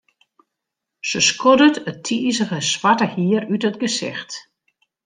Se skoddet it tizige swarte hier út it gesicht.